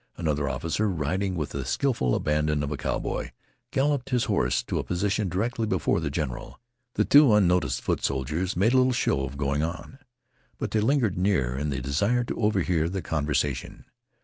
Another officer, riding with the skillful abandon of a cowboy, galloped his horse to a position directly before the general. The two unnoticed foot soldiers made a little show of going on, but they lingered near in the desire to overhear the conversation.